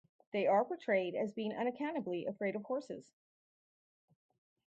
They are portrayed as being unaccountably afraid of horses.